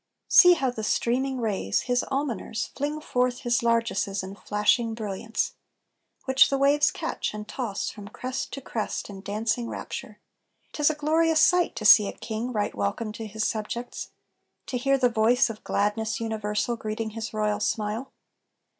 See how the streaming rays, his almoners, Fling forth his largesses in flashing brilliants. Which the waves catch, and toss from crest to crest In dancing rapture! 'Tis a glorious sight To see a king right welcome to his subjects; To hear the voice of gladness universal Greeting his royal smile.